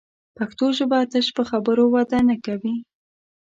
پښتو ژبه تش په خبرو وده نه کوي